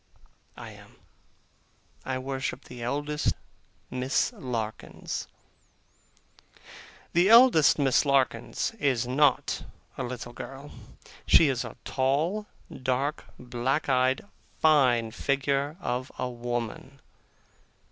I am. I worship the eldest Miss Larkins. The eldest Miss Larkins is not a little girl. She is a tall, dark, black eyed, fine figure of a woman.